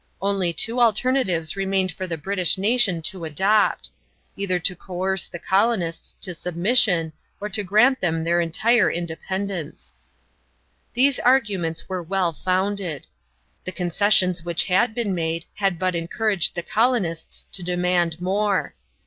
Only two alternatives remained for the British nation to adopt either to coerce the colonists to submission or to grant them their entire independence. These arguments were well founded. The concessions which had been made had but encouraged the colonists to demand more.